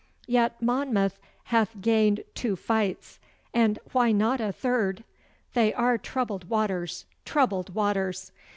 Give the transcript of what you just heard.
Yet Monmouth hath gained two fights, and why not a third? They are troubled waters troubled waters!